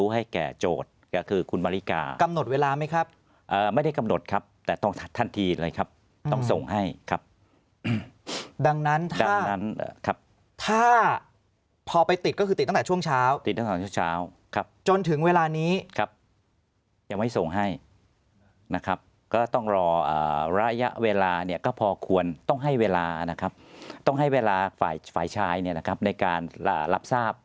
ให้แก่โจทย์ก็คือคุณมาริกากำหนดเวลาไหมครับไม่ได้กำหนดครับแต่ต้องทันทีเลยครับต้องส่งให้ครับดังนั้นดังนั้นนะครับถ้าพอไปติดก็คือติดตั้งแต่ช่วงเช้าติดตั้งแต่เช้าครับจนถึงเวลานี้ครับยังไม่ส่งให้นะครับก็ต้องรอระยะเวลาเนี่ยก็พอควรต้องให้เวลานะครับต้องให้เวลาฝ่ายฝ่ายชายเนี่ยนะครับในการรับทราบ